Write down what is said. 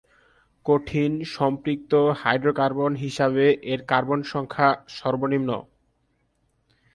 কঠিন সম্পৃক্ত হাইড্রোকার্বন হিসাবে এর কার্বন সংখ্যা সর্বনিম্ন।